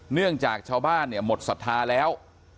เนื่องจากชาวบ้านเนี่ยหมดศรัทธาแล้ว